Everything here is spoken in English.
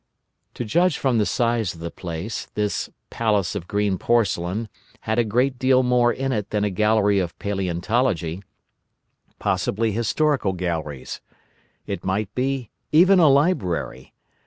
"To judge from the size of the place, this Palace of Green Porcelain had a great deal more in it than a Gallery of Palæontology; possibly historical galleries; it might be, even a library!